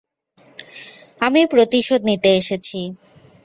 আমি প্রতিশোধ নিতে এসেছি।